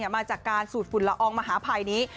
มาจากการสูดฝุ่นละอองมหาภัยนี้